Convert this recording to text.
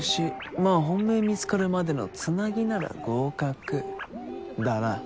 まぁ本命見つかるまでのつなぎなら合格」だな。